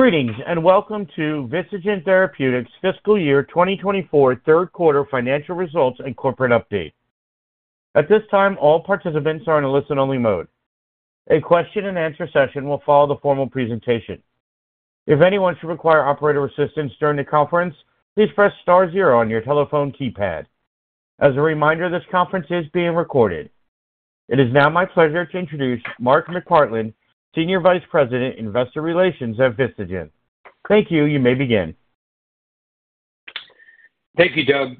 Greetings and welcome to Vistagen Therapeutics fiscal year 2024 third quarter financial results and corporate update. At this time, all participants are in a listen-only mode. A question-and-answer session will follow the formal presentation. If anyone should require operator assistance during the conference, please press star zero on your telephone keypad. As a reminder, this conference is being recorded. It is now my pleasure to introduce Mark McPartland, Senior Vice President, Investor Relations at Vistagen. Thank you. You may begin. Thank you, Doug.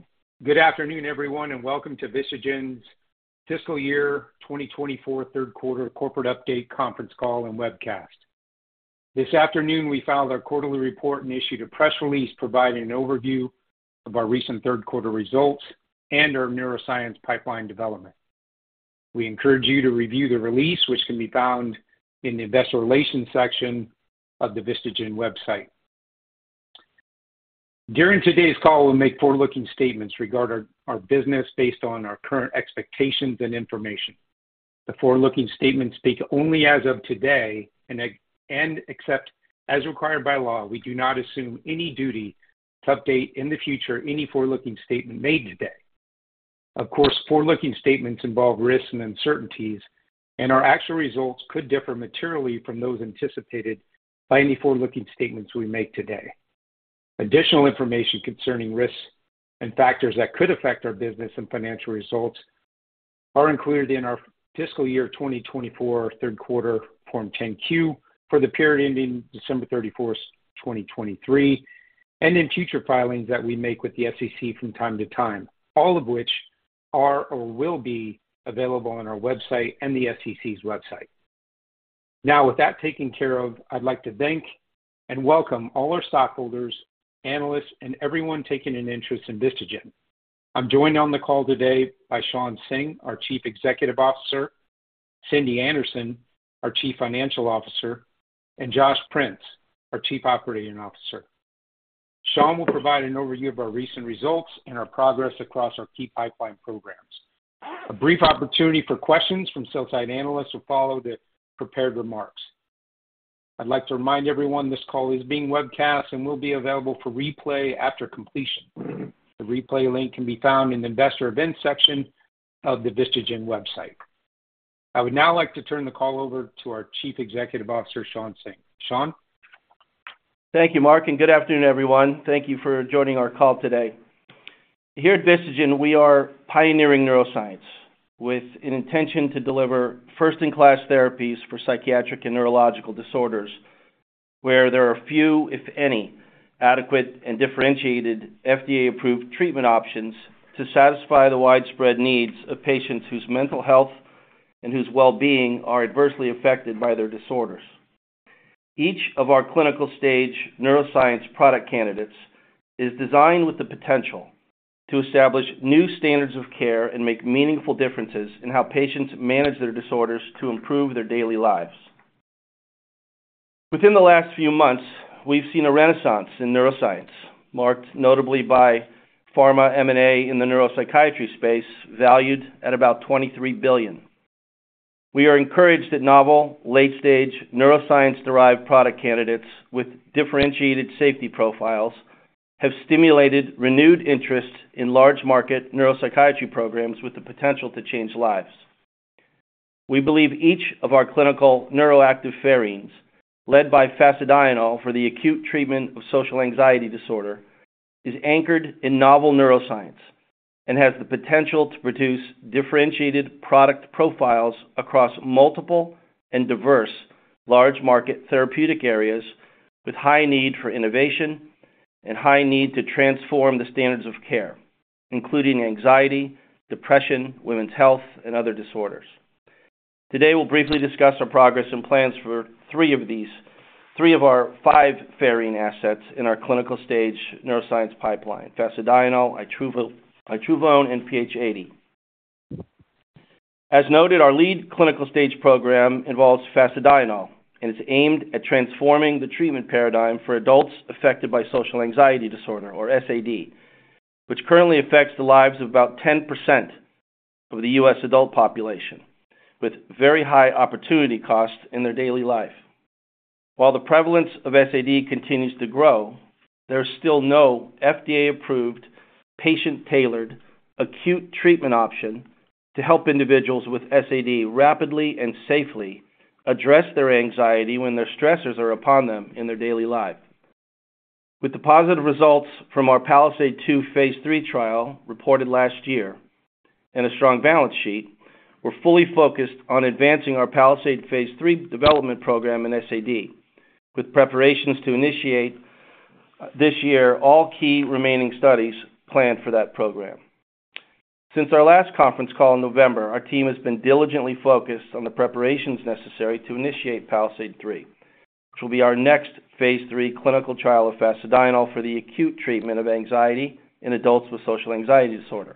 Good afternoon, everyone, and welcome to Vistagen's fiscal year 2024 third quarter corporate update conference call and webcast. This afternoon, we filed our quarterly report and issued a press release providing an overview of our recent third quarter results and our neuroscience pipeline development. We encourage you to review the release, which can be found in the Investor Relations section of the Vistagen website. During today's call, we'll make forward-looking statements regarding our business based on our current expectations and information. The forward-looking statements speak only as of today and except as required by law. We do not assume any duty to update in the future any forward-looking statement made today. Of course, forward-looking statements involve risks and uncertainties, and our actual results could differ materially from those anticipated by any forward-looking statements we make today. Additional information concerning risks and factors that could affect our business and financial results are included in our fiscal year 2024 third quarter Form 10-Q for the period ending December 31st, 2023, and in future filings that we make with the SEC from time to time, all of which are or will be available on our website and the SEC's website. Now, with that taken care of, I'd like to thank and welcome all our stockholders, analysts, and everyone taking an interest in Vistagen. I'm joined on the call today by Shawn Singh, our Chief Executive Officer; Cindy Anderson, our Chief Financial Officer; and Josh Prince, our Chief Operating Officer. Shawn will provide an overview of our recent results and our progress across our key pipeline programs. A brief opportunity for questions from sell-side analysts will follow the prepared remarks. I'd like to remind everyone this call is being webcast and will be available for replay after completion. The replay link can be found in the Investor Events section of the Vistagen website. I would now like to turn the call over to our Chief Executive Officer, Shawn Singh. Shawn? Thank you, Mark, and good afternoon, everyone. Thank you for joining our call today. Here at Vistagen, we are pioneering neuroscience with an intention to deliver first-in-class therapies for psychiatric and neurological disorders, where there are few, if any, adequate and differentiated FDA-approved treatment options to satisfy the widespread needs of patients whose mental health and whose well-being are adversely affected by their disorders. Each of our clinical stage neuroscience product candidates is designed with the potential to establish new standards of care and make meaningful differences in how patients manage their disorders to improve their daily lives. Within the last few months, we've seen a renaissance in neuroscience, marked notably by pharma M&A in the neuropsychiatry space valued at about $23 billion. We are encouraged that novel, late-stage, neuroscience-derived product candidates with differentiated safety profiles have stimulated renewed interest in large-market neuropsychiatry programs with the potential to change lives. We believe each of our clinical neuroactive pherines, led by fasedienol for the acute treatment of social anxiety disorder, is anchored in novel neuroscience and has the potential to produce differentiated product profiles across multiple and diverse large-market therapeutic areas with high need for innovation and high need to transform the standards of care, including anxiety, depression, women's health, and other disorders. Today, we'll briefly discuss our progress and plans for three of our five pherine assets in our clinical stage neuroscience pipeline: fasedienol, itruvone, and PH80. As noted, our lead clinical stage program involves fasedienol, and it's aimed at transforming the treatment paradigm for adults affected by social anxiety disorder, or SAD, which currently affects the lives of about 10% of the U.S. adult population with very high opportunity costs in their daily life. While the prevalence of SAD continues to grow, there is still no FDA-approved patient-tailored acute treatment option to help individuals with SAD rapidly and safely address their anxiety when their stressors are upon them in their daily life. With the positive results from our PALISADE-2 phase III trial reported last year and a strong balance sheet, we're fully focused on advancing our PALISADE phase III development program in SAD, with preparations to initiate this year all key remaining studies planned for that program. Since our last conference call in November, our team has been diligently focused on the preparations necessary to initiate PALISADE-3, which will be our next phase III clinical trial of fasedienol for the acute treatment of anxiety in adults with social anxiety disorder.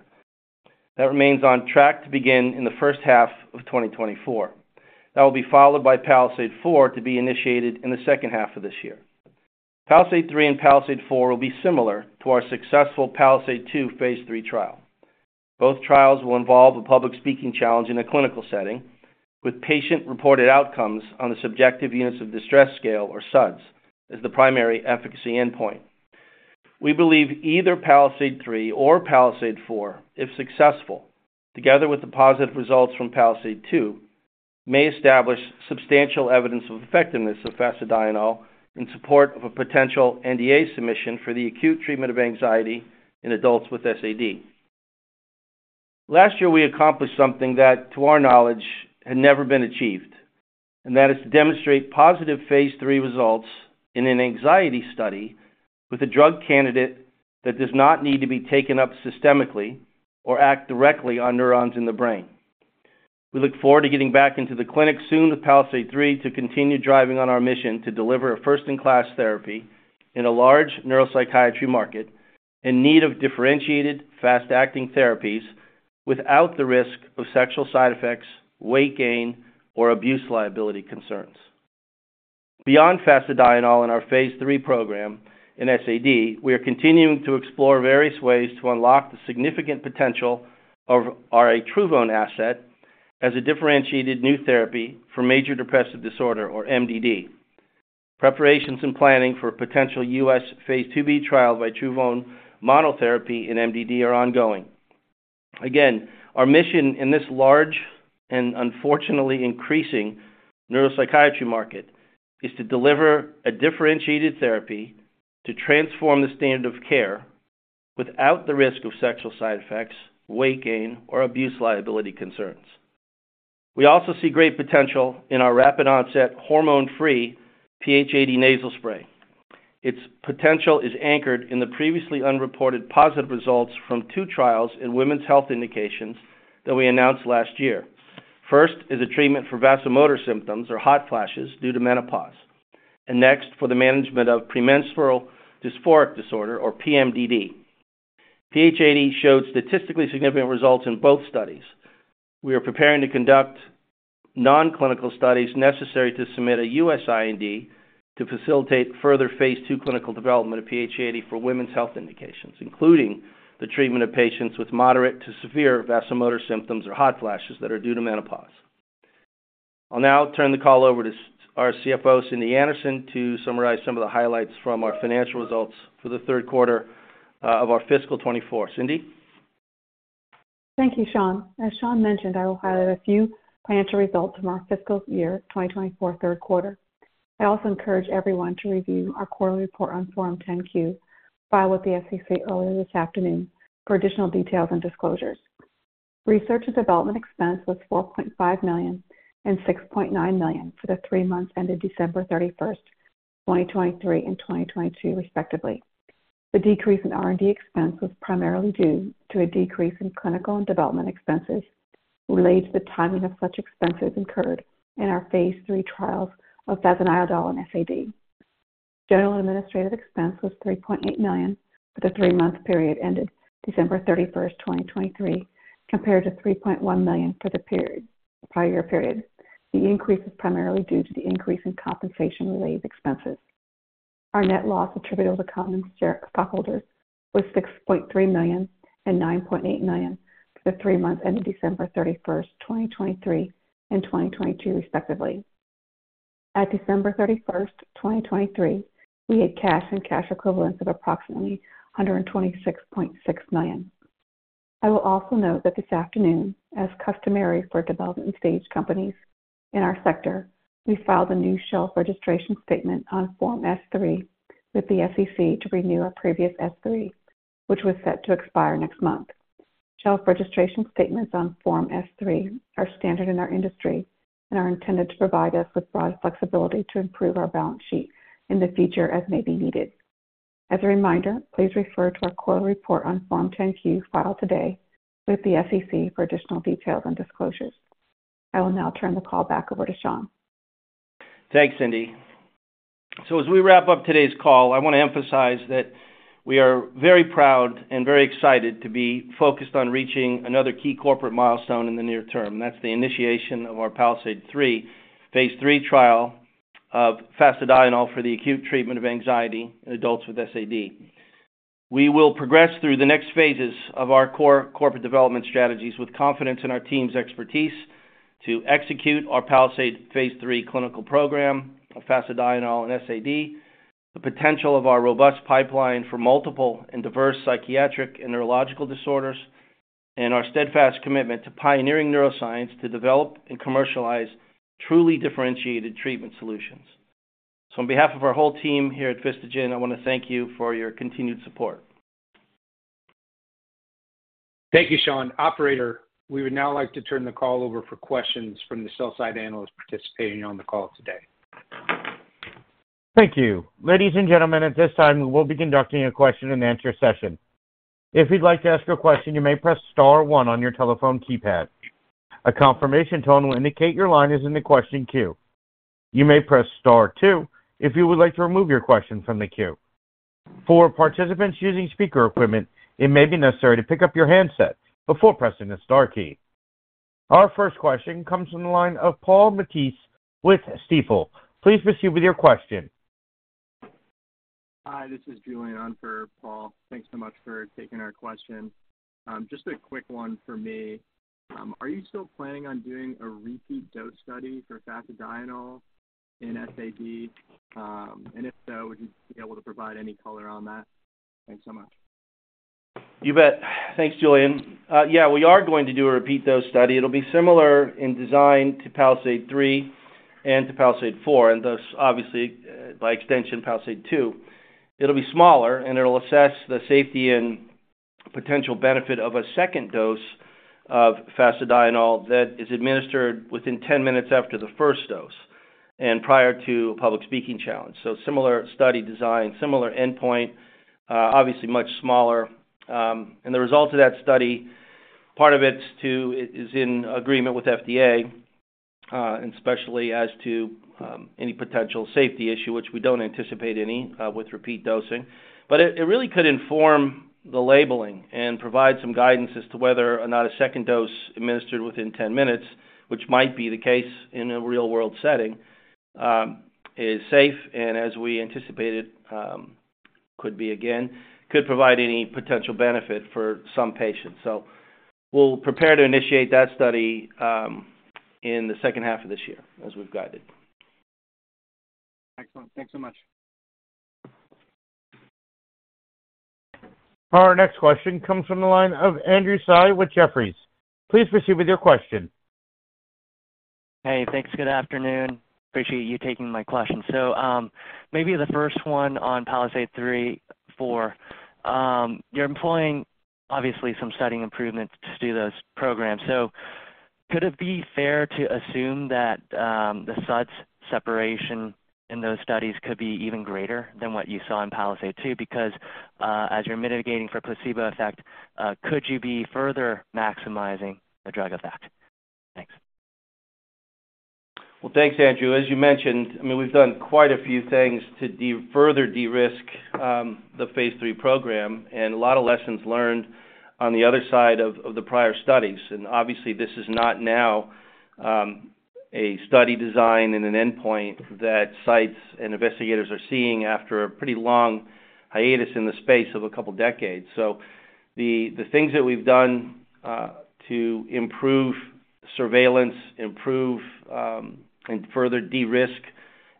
That remains on track to begin in the first half of 2024. That will be followed by PALISADE-4 to be initiated in the second half of this year. PALISADE-3 and PALISADE-4 will be similar to our successful PALISADE-2 phase III trial. Both trials will involve a public speaking challenge in a clinical setting, with patient-reported outcomes on the Subjective Units of Distress Scale, or SUDS, as the primary efficacy endpoint. We believe either PALISADE-3 or PALISADE-4, if successful, together with the positive results from PALISADE-2, may establish substantial evidence of effectiveness of fasedienol in support of a potential NDA submission for the acute treatment of anxiety in adults with SAD. Last year, we accomplished something that, to our knowledge, had never been achieved, and that is to demonstrate positive phase III results in an anxiety study with a drug candidate that does not need to be taken up systemically or act directly on neurons in the brain. We look forward to getting back into the clinic soon with PALISADE-3 to continue driving on our mission to deliver a first-in-class therapy in a large neuropsychiatry market in need of differentiated, fast-acting therapies without the risk of sexual side effects, weight gain, or abuse liability concerns. Beyond fasedienol in our phase III program in SAD, we are continuing to explore various ways to unlock the significant potential of our itruvone asset as a differentiated new therapy for major depressive disorder, or MDD. Preparations and planning for a potential U.S. phase 2B trial of itruvone monotherapy in MDD are ongoing. Again, our mission in this large and unfortunately increasing neuropsychiatry market is to deliver a differentiated therapy to transform the standard of care without the risk of sexual side effects, weight gain, or abuse liability concerns. We also see great potential in our rapid-onset, hormone-free PH80 nasal spray. Its potential is anchored in the previously unreported positive results from two trials in women's health indications that we announced last year. First is a treatment for vasomotor symptoms, or hot flashes, due to menopause, and next for the management of premenstrual dysphoric disorder, or PMDD. PH80 showed statistically significant results in both studies. We are preparing to conduct non-clinical studies necessary to submit a U.S. IND to facilitate further phase II clinical development of PH80 for women's health indications, including the treatment of patients with moderate to severe vasomotor symptoms, or hot flashes, that are due to menopause. I'll now turn the call over to our CFO, Cindy Anderson, to summarize some of the highlights from our financial results for the third quarter of our fiscal 2024. Cindy? Thank you, Shawn. As Shawn mentioned, I will highlight a few financial results from our fiscal year 2024 third quarter. I also encourage everyone to review our quarterly report on Form 10-Q filed with the SEC earlier this afternoon for additional details and disclosures. Research and development expense was $4.5 million and $6.9 million for the three months ended December 31st, 2023, and 2022, respectively. The decrease in R&D expense was primarily due to a decrease in clinical and development expenses related to the timing of such expenses incurred in our phase III trials of fasedienol and SAD. General administrative expense was $3.8 million for the three-month period ended December 31st, 2023, compared to $3.1 million for the prior year. The increase is primarily due to the increase in compensation-related expenses. Our net loss attributable to common stockholders was $6.3 million and $9.8 million for the three months ended December 31st, 2023, and 2022, respectively. At December 31st, 2023, we had cash and cash equivalents of approximately $126.6 million. I will also note that this afternoon, as customary for development stage companies in our sector, we filed a new shelf registration statement on Form S-3 with the SEC to renew our previous S-3, which was set to expire next month. Shelf registration statements on Form S-3 are standard in our industry and are intended to provide us with broad flexibility to improve our balance sheet in the future as may be needed. As a reminder, please refer to our quarterly report on Form 10-Q filed today with the SEC for additional details and disclosures. I will now turn the call back over to Shawn. Thanks, Cindy. So as we wrap up today's call, I want to emphasize that we are very proud and very excited to be focused on reaching another key corporate milestone in the near term, and that's the initiation of our PALISADE-3 phase III trial of fasedienol for the acute treatment of anxiety in adults with SAD. We will progress through the next phases of our core corporate development strategies with confidence in our team's expertise to execute our PALISADE phase III clinical program of fasedienol and SAD, the potential of our robust pipeline for multiple and diverse psychiatric and neurological disorders, and our steadfast commitment to pioneering neuroscience to develop and commercialize truly differentiated treatment solutions. So on behalf of our whole team here at Vistagen, I want to thank you for your continued support. Thank you, Shawn. Operator, we would now like to turn the call over for questions from the sell-side analysts participating on the call today. Thank you. Ladies and gentlemen, at this time, we will be conducting a question-and-answer session. If you'd like to ask a question, you may press star one on your telephone keypad. A confirmation tone will indicate your line is in the question queue. You may press star two if you would like to remove your question from the queue. For participants using speaker equipment, it may be necessary to pick up your handset before pressing the star key. Our first question comes from the line of Paul Matteis with Stifel. Please proceed with your question. Hi, this is Julian on for Paul. Thanks so much for taking our question. Just a quick one for me. Are you still planning on doing a repeat dose study for fasedienol in SAD? And if so, would you be able to provide any color on that? Thanks so much. You bet. Thanks, Julian. Yeah, we are going to do a repeat dose study. It'll be similar in design to PALISADE-3 and to PALISADE-4, and thus, obviously, by extension, PALISADE-2. It'll be smaller, and it'll assess the safety and potential benefit of a second dose of fasedienol that is administered within 10 minutes after the first dose and prior to a public speaking challenge. So similar study design, similar endpoint, obviously much smaller. And the results of that study, part of it is in agreement with FDA, especially as to any potential safety issue, which we don't anticipate any with repeat dosing. But it really could inform the labeling and provide some guidance as to whether or not a second dose administered within 10 minutes, which might be the case in a real-world setting, is safe and, as we anticipated, could be again, could provide any potential benefit for some patients. So we'll prepare to initiate that study in the second half of this year as we've guided. Excellent. Thanks so much. Our next question comes from the line of Andrew Tsai with Jefferies. Please proceed with your question. Hey, thanks. Good afternoon. Appreciate you taking my question. So maybe the first one on PALISADE-3, PALISADE-4. You're employing, obviously, some study improvements to do those programs. So could it be fair to assume that the SUDS separation in those studies could be even greater than what you saw in PALISADE-2? Because as you're mitigating for placebo effect, could you be further maximizing the drug effect? Thanks. Well, thanks, Andrew. As you mentioned, I mean, we've done quite a few things to further de-risk the phase III program and a lot of lessons learned on the other side of the prior studies. And obviously, this is not now a study design and an endpoint that sites and investigators are seeing after a pretty long hiatus in the space of a couple of decades. So the things that we've done to improve surveillance, improve, and further de-risk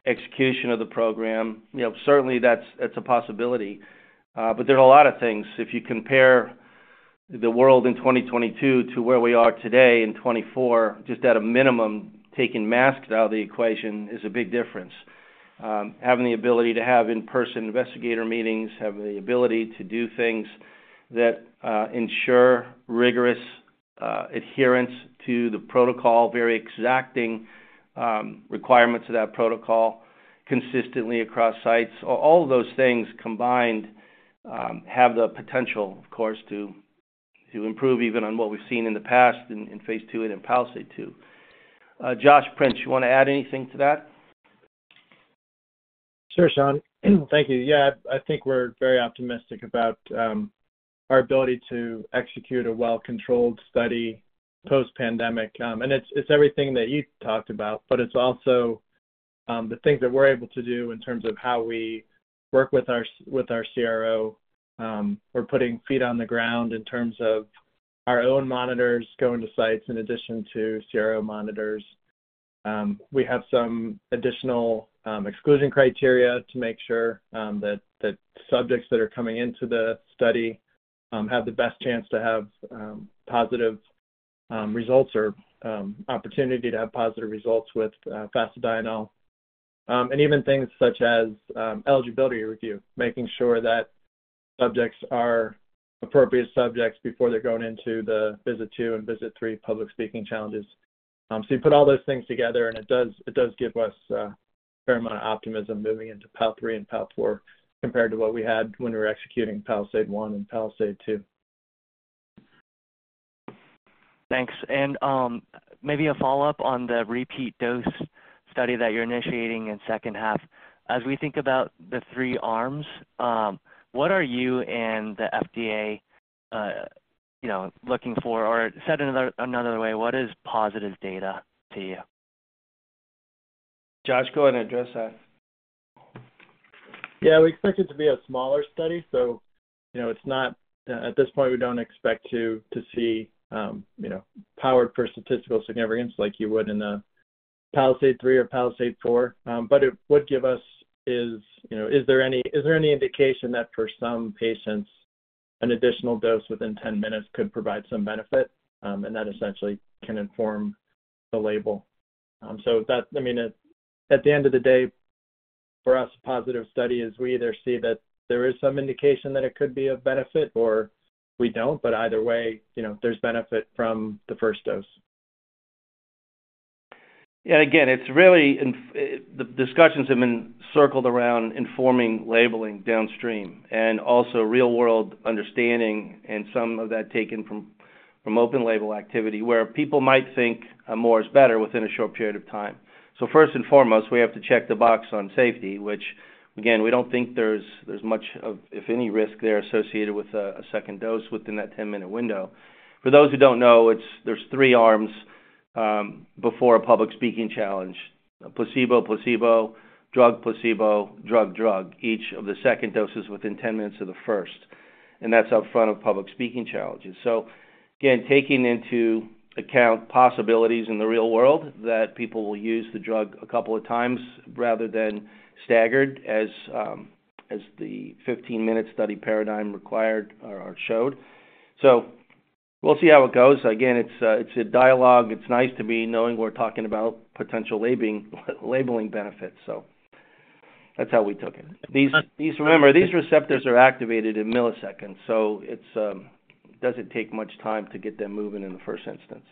execution of the program, certainly, that's a possibility. But there are a lot of things. If you compare the world in 2022 to where we are today in 2024, just at a minimum, taking masks out of the equation is a big difference. Having the ability to have in-person investigator meetings, having the ability to do things that ensure rigorous adherence to the protocol, very exacting requirements of that protocol consistently across sites, all of those things combined have the potential, of course, to improve even on what we've seen in the past in phase II and in PALISADE-2. Josh Prince, you want to add anything to that? Sure, Shawn. Thank you. Yeah, I think we're very optimistic about our ability to execute a well-controlled study post-pandemic. It's everything that you talked about, but it's also the things that we're able to do in terms of how we work with our CRO. We're putting feet on the ground in terms of our own monitors going to sites in addition to CRO monitors. We have some additional exclusion criteria to make sure that subjects that are coming into the study have the best chance to have positive results or opportunity to have positive results with fasedienol. Even things such as eligibility review, making sure that subjects are appropriate subjects before they're going into the phase II and phase III public speaking challenges. So you put all those things together, and it does give us a fair amount of optimism moving into PALISADE-3 and PALISADE-4 compared to what we had when we were executing PALISADE-1 and PALISADE-2. Thanks. And maybe a follow-up on the repeat dose study that you're initiating in second half. As we think about the three arms, what are you and the FDA looking for? Or said another way, what is positive data to you? Josh, go ahead and address that. Yeah, we expect it to be a smaller study. So at this point, we don't expect to see powered for statistical significance like you would in the PALISADE-3 or PALISADE-4. But what it would give us is, is there any indication that for some patients, an additional dose within 10 minutes could provide some benefit? And that essentially can inform the label. So I mean, at the end of the day, for us, a positive study is we either see that there is some indication that it could be of benefit or we don't. But either way, there's benefit from the first dose. And again, the discussions have been circled around informing labeling downstream and also real-world understanding and some of that taken from open label activity where people might think more is better within a short period of time. So first and foremost, we have to check the box on safety, which, again, we don't think there's much, if any, risk there associated with a second dose within that 10-minute window. For those who don't know, there's three arms before a public speaking challenge: placebo, placebo, drug, placebo, drug, drug. Each of the second doses within 10 minutes of the first. And that's up front of public speaking challenges. So again, taking into account possibilities in the real world that people will use the drug a couple of times rather than staggered as the 15-minute study paradigm required or showed. So we'll see how it goes. Again, it's a dialogue. It's nice to be knowing we're talking about potential labeling benefits. That's how we took it. Remember, these receptors are activated in milliseconds, so it doesn't take much time to get them moving in the first instance.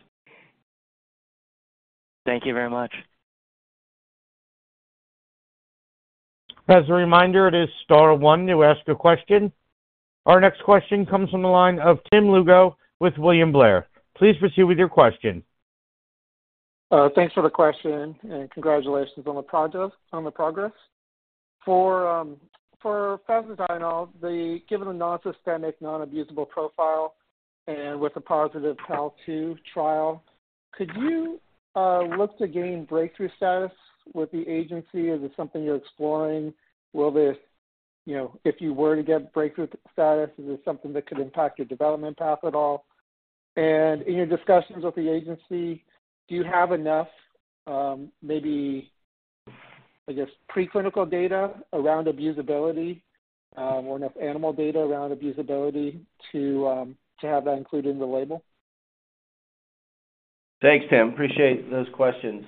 Thank you very much. As a reminder, it is star star to ask a question. Our next question comes from the line of Tim Lugo with William Blair. Please proceed with your question. Thanks for the question and congratulations on the progress. For fasedienol, given the nonsystemic, non-abusable profile and with a positive PALISADE-2 trial, could you look to gain breakthrough status with the agency? Is this something you're exploring? If you were to get breakthrough status, is this something that could impact your development path at all? And in your discussions with the agency, do you have enough, maybe, I guess, preclinical data around abusability or enough animal data around abusability to have that included in the label? Thanks, Tim. Appreciate those questions.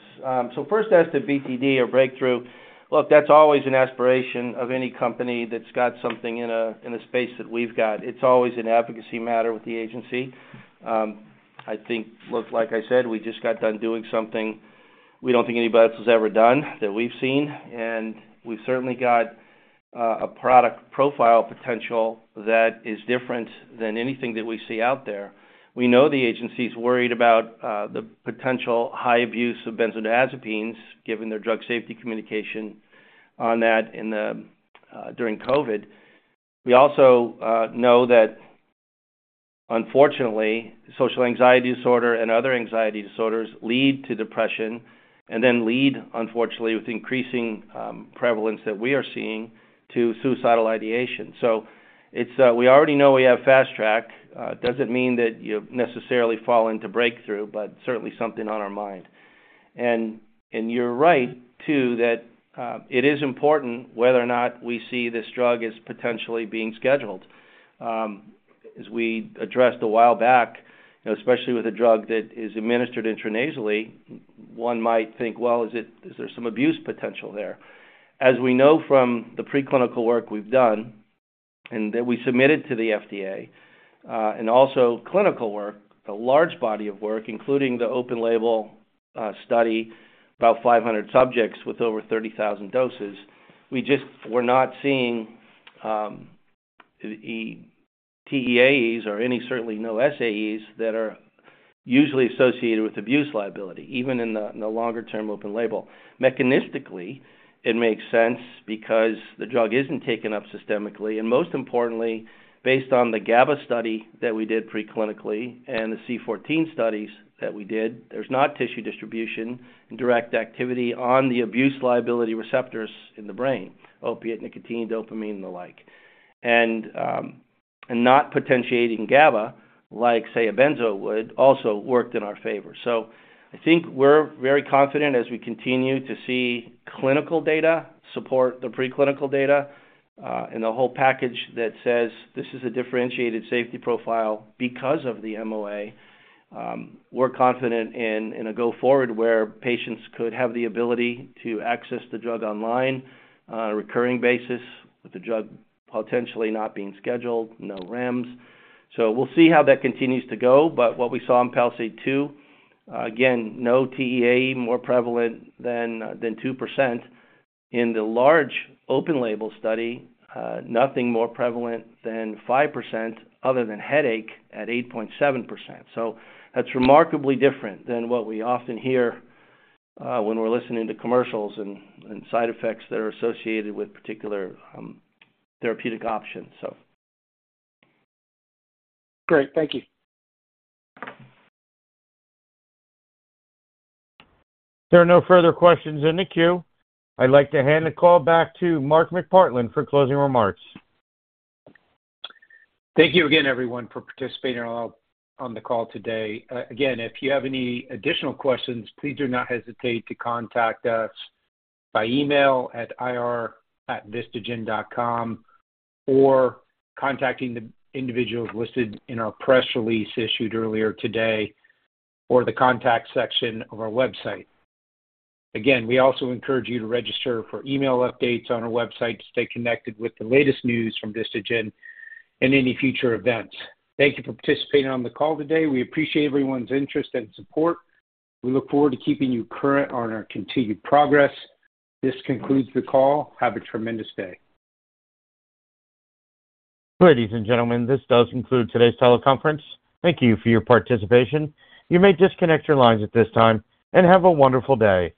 So first, as to BTD or breakthrough, look, that's always an aspiration of any company that's got something in the space that we've got. It's always an advocacy matter with the agency. I think, like I said, we just got done doing something we don't think anybody else has ever done that we've seen. And we've certainly got a product profile potential that is different than anything that we see out there. We know the agency's worried about the potential high abuse of benzodiazepines given their drug safety communication on that during COVID. We also know that, unfortunately, social anxiety disorder and other anxiety disorders lead to depression and then lead, unfortunately, with increasing prevalence that we are seeing to suicidal ideation. So we already know we have Fast Track. It doesn't mean that you necessarily fall into breakthrough, but certainly something on our mind. And you're right, too, that it is important whether or not we see this drug as potentially being scheduled. As we addressed a while back, especially with a drug that is administered intranasally, one might think, "Well, is there some abuse potential there?" As we know from the preclinical work we've done and that we submitted to the FDA and also clinical work, a large body of work, including the open label study, about 500 subjects with over 30,000 doses, we just were not seeing the TEAEs or any, certainly no SAEs, that are usually associated with abuse liability, even in the longer-term open label. Mechanistically, it makes sense because the drug isn't taken up systemically. Most importantly, based on the GABA study that we did preclinically and the C14 studies that we did, there's not tissue distribution and direct activity on the abuse liability receptors in the brain: opiate, nicotine, dopamine, and the like. And not potentiating GABA like, say, a benzo would also worked in our favor. So I think we're very confident as we continue to see clinical data support the preclinical data and the whole package that says, "This is a differentiated safety profile because of the MOA." We're confident in a go-forward where patients could have the ability to access the drug online on a recurring basis with the drug potentially not being scheduled, no REMS. So we'll see how that continues to go. But what we saw in PALISADE-2, again, no TEAE more prevalent than 2%. In the large open label study, nothing more prevalent than 5% other than headache at 8.7%. So that's remarkably different than what we often hear when we're listening to commercials and side effects that are associated with particular therapeutic options, so. Great. Thank you. There are no further questions in the queue. I'd like to hand the call back to Mark McPartland for closing remarks. Thank you again, everyone, for participating on the call today. Again, if you have any additional questions, please do not hesitate to contact us by email at ir@vistagen.com or contacting the individuals listed in our press release issued earlier today or the contact section of our website. Again, we also encourage you to register for email updates on our website to stay connected with the latest news from Vistagen and any future events. Thank you for participating on the call today. We appreciate everyone's interest and support. We look forward to keeping you current on our continued progress. This concludes the call. Have a tremendous day. Ladies and gentlemen, this does conclude today's teleconference. Thank you for your participation. You may disconnect your lines at this time and have a wonderful day.